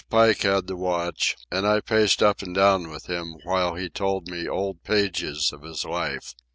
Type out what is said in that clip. Pike had the watch, and I paced up and down with him while he told me old pages of his life.